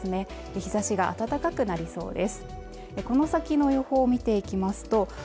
日ざしが暖かくなりそうです